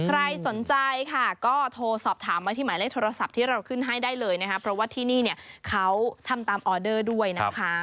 ใครสนใจค่ะก็โทรสอบถามมาที่หมายเลขโทรศัพท์ที่เราขึ้นให้ได้เลยนะคะเพราะว่าที่นี่เนี่ยเขาทำตามออเดอร์ด้วยนะคะ